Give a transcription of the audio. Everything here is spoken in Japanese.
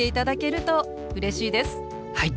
はい！